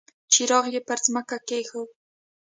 څراغ يې پر ځمکه کېښود.